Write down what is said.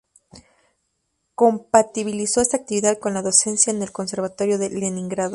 Compatibilizó esta actividad con la docencia en el Conservatorio de Leningrado.